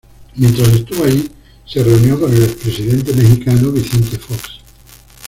Mientras estuvo allí, se reunió con el expresidente mexicano Vicente Fox.